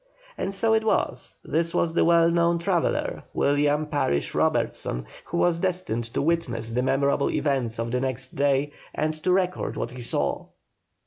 And so it was; this was the well known traveller, William Parish Robertson, who was destined to witness the memorable events of the next day, and to record what he saw.